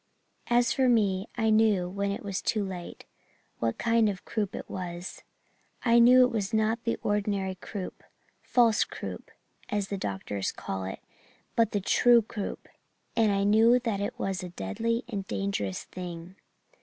"As for me, I knew, when it was too late, what kind of croup it was. I knew it was not the ordinary croup 'false croup' as doctors call it but the 'true croup' and I knew that it was a deadly and dangerous thing.